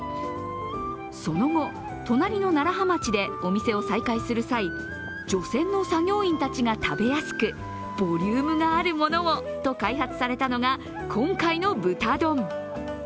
その後、隣の楢葉町でお店を再開する際除染の作業員たちが食べやすくボリュームがあるものをと開発されたのが今回の豚丼。